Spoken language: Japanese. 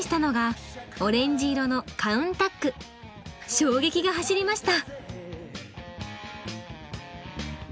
衝撃が走りました。